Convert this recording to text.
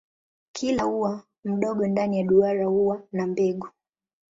Kila ua mdogo ndani ya duara huwa na mbegu.